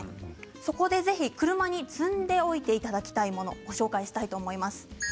そこでぜひ車に積んでおいていただきたいものをご紹介したいと思います。